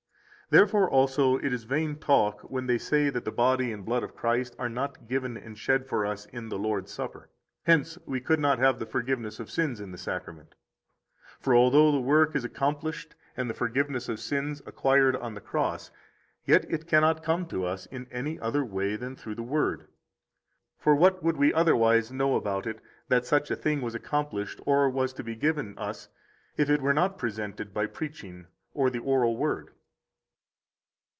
31 Therefore also it is vain talk when they say that the body and blood of Christ are not given and shed for us in the Lord's Supper, hence we could not have forgiveness of sins in the Sacrament. For although the work is accomplished and the forgiveness of sins acquired on the cross, yet it cannot come to us in any other way than through the Word. For what would we otherwise know about it, that such a thing was accomplished or was to be given us if it were not presented by preaching or the oral Word?